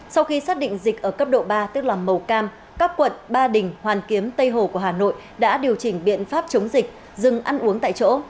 sau khi xác định dịch ở cấp độ ba tức là màu cam các quận ba đình hoàn kiếm tây hồ của hà nội đã điều chỉnh biện pháp chống dịch dừng ăn uống tại chỗ